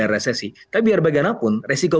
resesi tapi biar bagian apun resiko